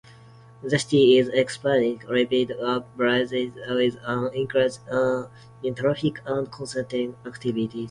The city is experiencing rapid urbanization, with an increase in traffic and construction activities.